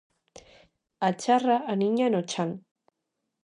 A charra aniña no chan.